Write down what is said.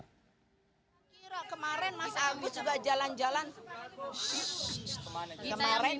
kira kemarin mas agus juga jalan jalan khusus